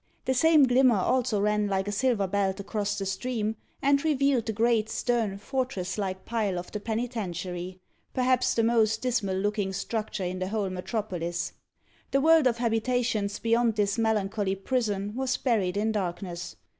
The same glimmer also ran like a silver belt across the stream, and revealed the great, stern, fortress like pile of the Penitentiary perhaps the most dismal looking structure in the whole metropolis. The world of habitations beyond this melancholy prison was buried in darkness.